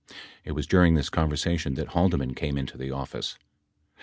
It was during this conversation that Haldeman came into the office.